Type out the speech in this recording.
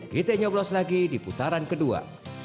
kita nyoblos lagi di putaran kedua